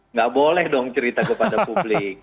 nggak boleh dong cerita kepada publik